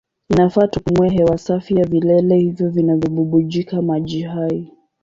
Inafaa tupumue hewa safi ya vilele hivyo vinavyobubujika maji hai.